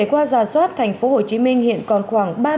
qua giả soát tp hcm hiện còn khoảng